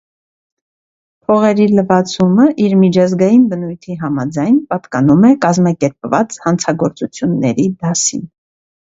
Փողերի լվացումը, իր միջազգային բնույթի համաձայն, պատկանում է կազմակերպված հանցագործությունների դասին։